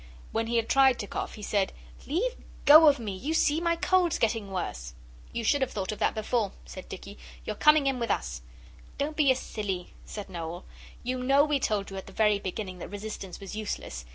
When he had tried to cough, he said, 'Leave go of me! You see my cold's getting worse.' 'You should have thought of that before,' said Dicky; 'you're coming in with us.' 'Don't be a silly,' said Noel; 'you know we told you at the very beginning that resistance was useless.